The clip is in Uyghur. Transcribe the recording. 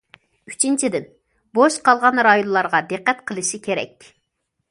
ئۈچىنچىدىن، بوش قالغان رايونلارغا دىققەت قىلىشى كېرەك.